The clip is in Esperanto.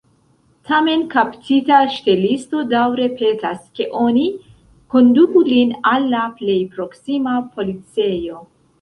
Tamen kaptita ŝtelisto daŭre petas, ke oni konduku lin al la plej proksima policejo.